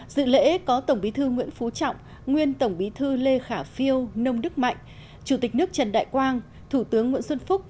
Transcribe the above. dự lễ có tổng bí thư nguyễn phú trọng nguyên tổng bí thư lê khả phiêu nông đức mạnh chủ tịch nước trần đại quang thủ tướng nguyễn xuân phúc